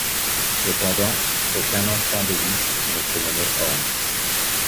Cependant, aucun enfant d'Ellice ne se nommait Orms.